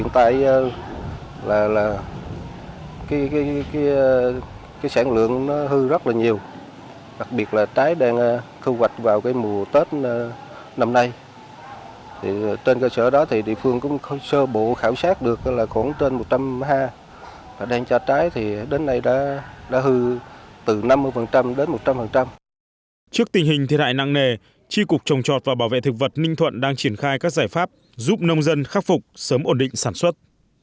trước tình hình thiệt hại năng nề tri cục trồng chọt và bảo vệ thực vật ninh thuận đang triển khai các giải pháp giúp nông dân khắc phục sớm ổn định sản xuất